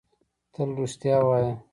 تل رښتیا وایۀ!